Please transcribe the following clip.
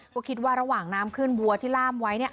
ก็คิดว่าระหว่างน้ำขึ้นวัวที่ล่ามไว้